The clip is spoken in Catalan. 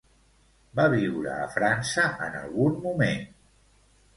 Va viure a França en algun moment?